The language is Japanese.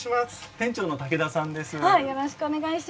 店長の武田さんです。